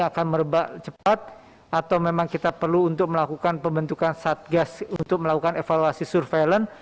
akan merebak cepat atau memang kita perlu untuk melakukan pembentukan satgas untuk melakukan evaluasi surveillance